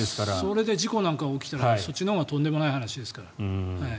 それで事故なんか起きたらそっちのほうがとんでもない話ですから。